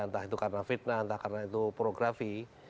entah itu karena fitnah entah karena itu pornografi